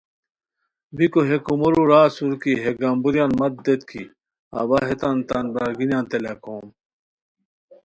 بیکو ہے کومورو را اسور کی ہے گمبوریان مت دیت کی اوا ہیتان تان برارگینیانتے لاکھوم